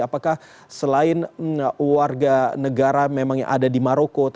apakah selain warga negara memang yang ada di maroko